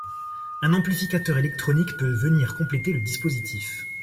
Un amplificateur électronique peut venir compléter le dispositif.